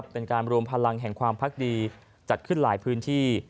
เป็นการรวมพลังแห่งความพักดีจัดขึ้นหลายพื้นที่